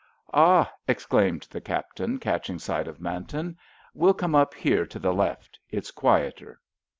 "Ah!" exclaimed the Captain, catching sight of Manton, "we'll come up here to the left; it's quieter."